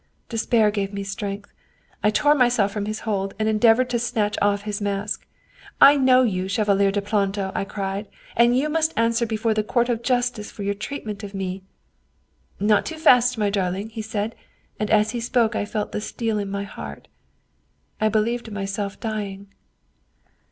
Despair gave me strength. I tore myself from his hold and endeavored to snatch off his mask. ' I know you, Chevalier de Planto !' I cried, ' and you must answer before the Court of Justice for your treatment of me !'' Not too fast, my darling/ he said, and as he spoke I felt the steel in my heart I believed myself dying."